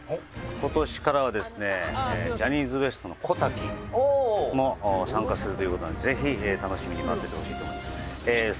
今年からはですねジャニーズＷＥＳＴの小瀧も参加するという事なのでぜひ楽しみに待っていてほしいと思います。